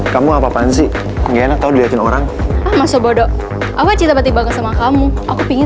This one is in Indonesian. sampai jumpa di video selanjutnya